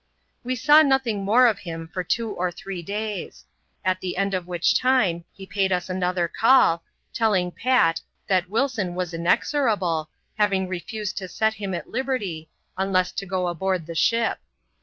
We saw nothing more of him for two or three days ; at the and of which time he paid us another call, telling Pat, that Wilson was inexorable, having refused to set him at liberty, unless to go aboard the ship.